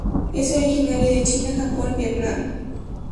Es originario de China, Japón, Vietnam.